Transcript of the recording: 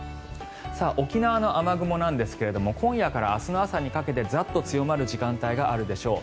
沖縄の雨雲ですが今夜から明日の朝にかけてザッと強まる時間帯があるでしょう。